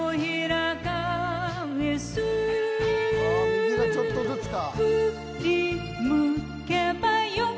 右がちょっとずつか。